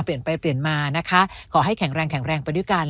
เปลี่ยนไปเปลี่ยนมานะคะขอให้แข็งแรงแข็งแรงไปด้วยกัน